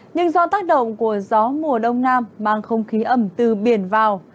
nhưng do tác động của gió mùa đông nam mang không khí ẩm từ biển vào